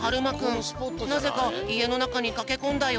なぜかいえのなかにかけこんだよ。